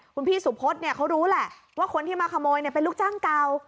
คุณพี่สุภสเนี้ยเขารู้แหละว่าคนที่มาขโมยเนี้ยเป็นลูกจ้างเก่า